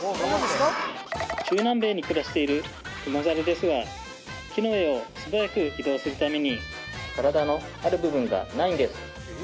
中南米に暮らしているクモザルですが木の上を素早く移動するために体のある部分がないんです